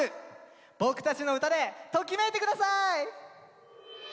僕たちの歌でときめいて下さい！